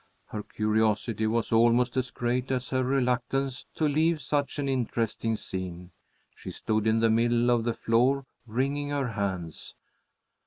Her curiosity was almost as great as her reluctance to leave such an interesting scene. She stood in the middle of the floor, wringing her hands.